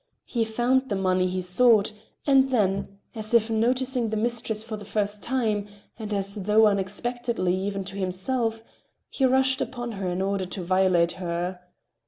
He found the money he sought, and then, as if noticing the mistress for the first time, and as though unexpectedly even to himself, he rushed upon her in order to violate her.